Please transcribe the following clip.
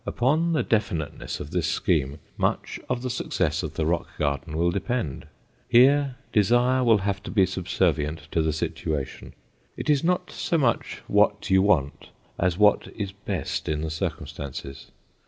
Upon the definiteness of this scheme, much of the success of the rock garden will depend. Here desire will have to be subservient to the situation. It is not so much what you want as what is best in the circumstances.